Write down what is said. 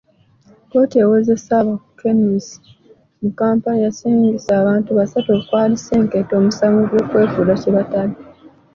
kkooti ewozesa abakenuzi mu Kampala yasingisa abantu basatu okwali Senkeeto, omusango gw'okwefuula kye batali.